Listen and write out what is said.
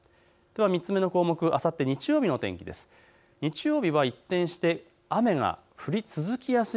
では３つ目の項目、あさって日曜日の天気です。